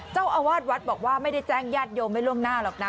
เจ้าอาวาสวัดบอกว่าไม่ได้แจ้งญาติโยมไว้ล่วงหน้าหรอกนะ